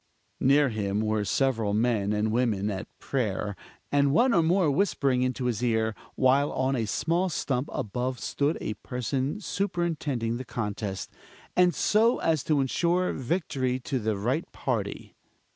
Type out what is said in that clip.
Near him were several men and women at prayer, and one or more whispering into his ear; while on a small stump above stood a person superintending the contest, and so as to insure victory to the right party.